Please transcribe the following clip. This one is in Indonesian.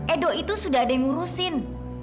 edo itu sudah ada yang ngurusin